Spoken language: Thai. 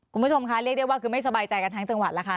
คุณผู้ชมคะเรียกได้ว่าคือไม่สบายใจกันทั้งจังหวัดแล้วค่ะ